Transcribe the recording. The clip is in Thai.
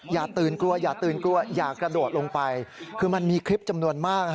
อย่าตื่นกลัวอย่าตื่นกลัวอย่ากระโดดลงไปคือมันมีคลิปจำนวนมาก